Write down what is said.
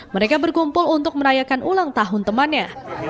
mereka berkumpul untuk merayakan ulang tahun temannya